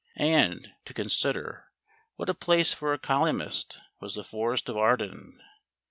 And, to consider, what a place for a colyumist was the Forest of Arden.